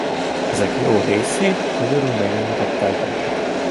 Ezek jó részét magyarul még nem mutatták be.